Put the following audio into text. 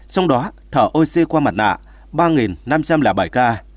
trong đó thở oxy qua mặt nạ ba năm trăm linh bảy ca